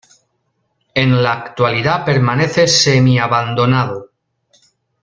En la actualidad permanece semi-abandonado.